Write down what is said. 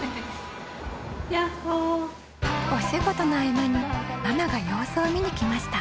お仕事の合間にママが様子を見に来ました。